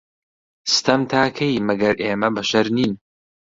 ستەم تا کەی، مەگەر ئێمە بەشەر نین